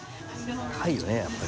高いよねやっぱり。